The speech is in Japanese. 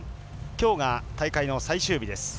きょうが大会の最終日です。